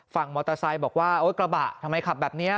ฝั่งมอเตอร์ไซค์บอกว่าโอ๊ยกระบะทำไมขับแบบนี้